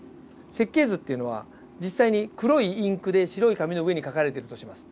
設計図っていうのは実際に黒いインクで白い紙の上に描かれているとします。